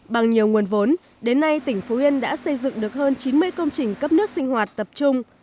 bằng nhiều nguồn vốn đến nay tỉnh phú yên đã xây dựng được hơn chín mươi công trình cấp nước sinh hoạt tập trung